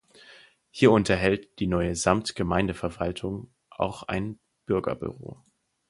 Hier unterhält die neue Samtgemeindeverwaltung auch ein Bürgerbüro.